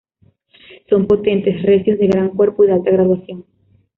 Son potentes, recios, de gran cuerpo y alta graduación.